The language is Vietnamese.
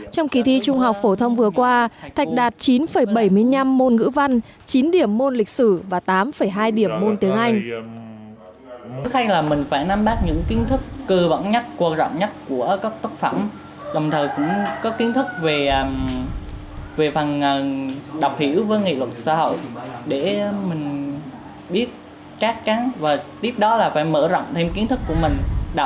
trong kỳ thi trung học phổ thông vừa qua thạch đạt chín bảy mươi năm môn ngữ văn chín điểm môn lịch sử và tám hai điểm môn tiếng anh